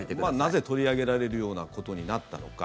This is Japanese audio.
なぜ取り上げられるようなことになったのか。